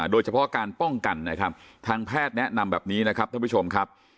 โดยเฉพาะการป้องกันนะครับทางแพทย์แนะนำแบบนี้นะครับท่านผู้ชมครับ